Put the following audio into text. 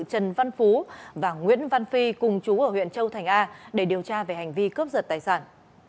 trần văn phú và nguyễn văn phi cùng chú ở huyện châu thành a để điều tra về hành vi cướp giật tài sản